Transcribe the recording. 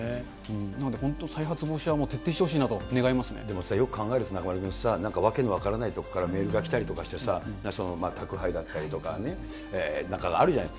なんで、本当再発防止は徹底でもよく考えると中丸君さ、訳の分からない所からメールが来たりとかしてさ、宅配だったりとかね、なんかがあるじゃない。